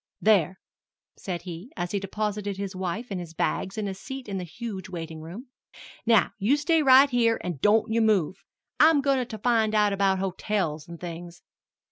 "There," said he, as he deposited his wife and his bags in a seat in the huge waiting room; "now you stay right here, an' don't you move. I'm goin' to find out about hotels and things."